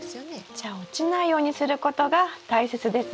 じゃあ落ちないようにすることが大切ですね。